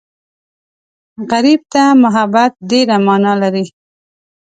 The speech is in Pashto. غریب ته محبت ډېره مانا لري